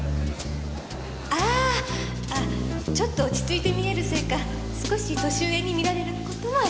ああちょっと落ち着いて見えるせいか少し年上に見られる事はあります。